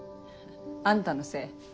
あんたのせい。